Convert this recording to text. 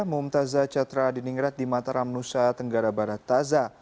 muhm taza catra di ningrat di mataram nusa tenggara barat taza